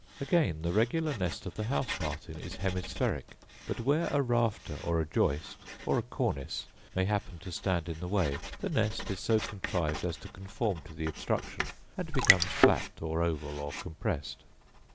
Again, the regular nest of the house martin is hemispheric; but where a rafter, or a joist, or a cornice may happen to stand in the way, the nest is so contrived as to conform to the obstruction, and becomes flat or oval, or compressed.